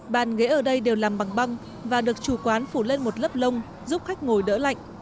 bàn ghế ở đây đều làm bằng băng và được chủ quán phủ lên một lớp lông giúp khách ngồi đỡ lạnh